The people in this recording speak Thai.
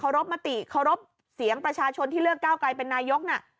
รบมติเคารพเสียงประชาชนที่เลือกก้าวไกลเป็นนายกน่ะ